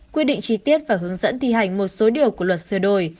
quy định chi tiết và hướng dẫn thi hành một số điều của luật sửa đổi